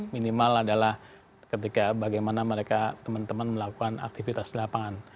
minimal adalah ketika bagaimana mereka teman teman melakukan aktivitas di lapangan